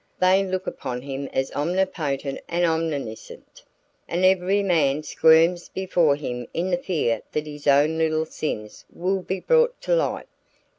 They look upon him as omnipotent and omniscient, and every man squirms before him in the fear that his own little sins will be brought to light."